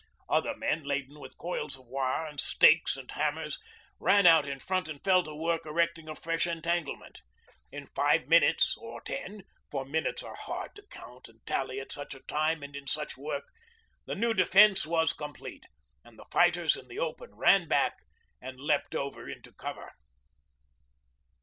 Other men, laden with coils of wire and stakes and hammers, ran out in front and fell to work erecting a fresh entanglement. In five minutes or ten for minutes are hard to count and tally at such a time and in such work the new defence was complete, and the fighters in the open ran back and leapt over into cover.